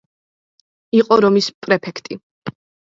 იყო რომის პრეფექტი.